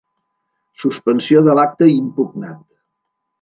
Suspensió de l'acte impugnat.